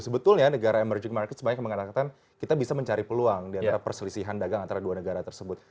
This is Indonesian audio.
sebetulnya negara emerging market sebenarnya mengatakan kita bisa mencari peluang diantara perselisihan dagang antara dua negara tersebut